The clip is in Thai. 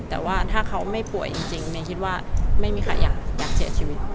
แต่ว่าถ้าเขาไม่ป่วยจริงเมย์คิดว่าไม่มีใครอยากเสียชีวิต